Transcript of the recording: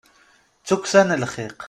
D tukksa n lxiq.